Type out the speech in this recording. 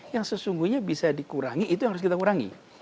yang sesungguhnya bisa dikurangi itu yang harus kita kurangi